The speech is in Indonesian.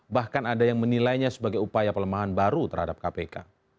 bahkan ada yang menilainya sebagai upaya pelemahan baru terhadap kpk